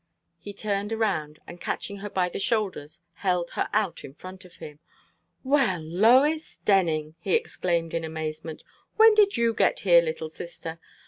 He turned around, and catching her by the shoulders, held her out in front of him. "Well, Lois Denning!" he exclaimed in amazement. "When did you get here, little sister?